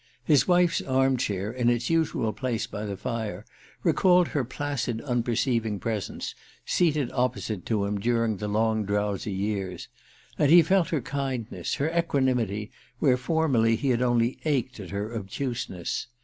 His wife's armchair, in its usual place by the fire, recalled her placid unperceiving presence, seated opposite to him during the long drowsy years; and he felt her kindness, her equanimity, where formerly he had only ached at her obtuseness.